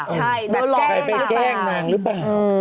ใช่โดนร้อนหรือเปล่าแกล้งหรือเปล่าแกล้งหรือเปล่า